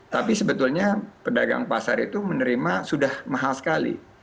tapi sebetulnya pedagang pasar itu menerima sudah mahal sekali